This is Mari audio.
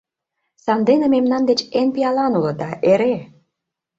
Сандене мемнан деч эн пиалан улыда, эре.